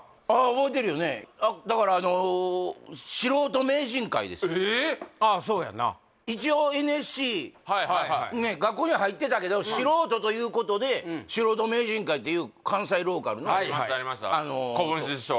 覚えてるよねだからあのえっ！ああそうやな一応ＮＳＣ学校には入ってたけど素人ということで「素人名人会」っていう関西ローカルのあの小文枝師匠